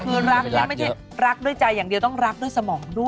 คือรักเนี่ยไม่ใช่รักด้วยใจอย่างเดียวต้องรักด้วยสมองด้วย